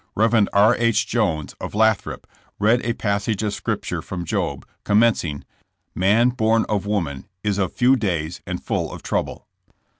'' Rev. R. H. Jones, of Lathrop, read a passage of scripture from Job, com mencing, ''Man born of woman is of few days and full of trouble."